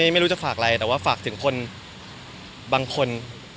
ไม่รู้จะฝากอะไรแต่ว่าฝากถึงคนบางคน